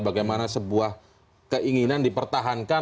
bagaimana sebuah keinginan dipertaruhkan